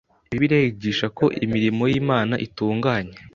Bibiliya yigisha ko imirimo y’Imana itunganye